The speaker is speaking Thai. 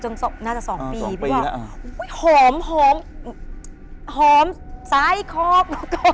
โอ้โหน่าจะสองปีอ่าสองปีแล้วพี่บอกอุ๊ยหอมหอมหอมซ้ายคอบ